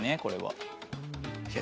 これは。